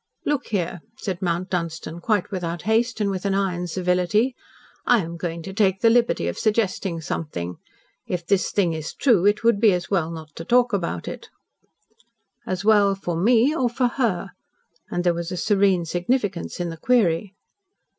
"Look here," said Mount Dunstan, quite without haste, and with an iron civility. "I am going to take the liberty of suggesting something. If this thing is true, it would be as well not to talk about it." "As well for me or for her?" and there was a serene significance in the query.